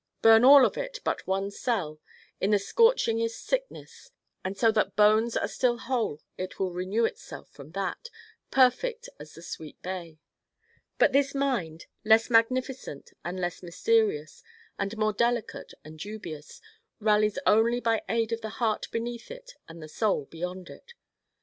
Burn all of it but one cell in the scorchingest sickness and so that bones are still whole it will renew itself from that, perfect as the sweet bay. But this mind, less magnificent and less mysterious and more delicate and dubious, rallies only by aid of the heart beneath it and the soul beyond it.